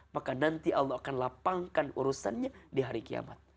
maka nanti allah akan lapangkan urusannya di hari kiamat